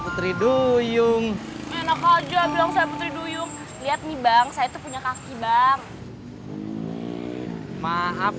putri duyung enak aja bilang saya putri duyung lihat nih bang saya itu punya kaki bang maaf